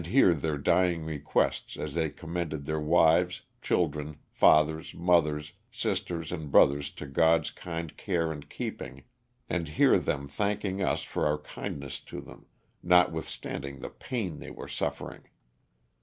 321 hear their dying requests as they commended their wives, children, fathers, mothers, sisters and brothers to God's kind care and keeping, and hear them thanking us for our kindness to them, notwithstanding the pain they were suffering.